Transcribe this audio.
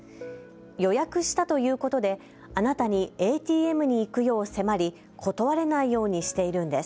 予約したと言うことであなたにＡＴＭに行くよう迫り断れないようにしているのです。